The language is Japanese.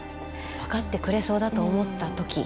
分かってくれそうだと思ったとき。